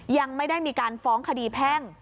ยังไม่ได้มีการฟ้องคดีแพ่ง